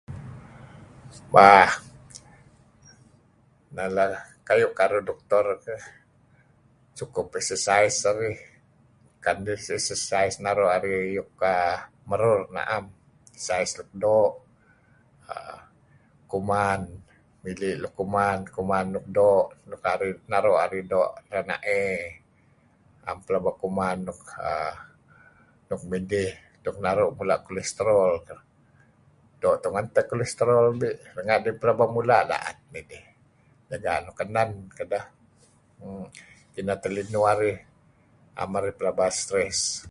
Bah. Mala kayu' karuh doctor keh sukup exercise arih kan idih exercise nuk naru' arih ba merur, 'am. Doo' kuman , mili' luk kuman doo luk naru' arih doo' rena'ey am pelaba kuman nuk err nuk midih nuk naru' mula' cholesterol. Doo' tungen teh Cholesterol be' renga' idih pelaba mula' da'et tidih . Jaga' nuk kenen kedah. Inah teh linuh arih am arih pelaba stress.